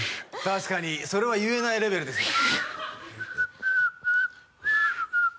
確かにそれは言えないレベルですよ